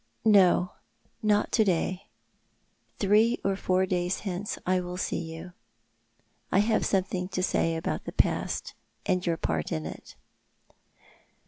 " No ; not to day. Three or four days hence I will see you. I have something to say about the past, and your part in it."